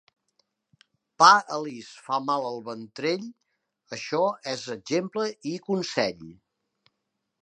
Pa alís fa mal al ventrell, això és exemple i consell.